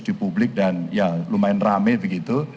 di publik dan ya lumayan rame begitu